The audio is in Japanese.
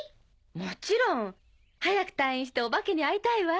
もちろん！早く退院してお化けに会いたいわ。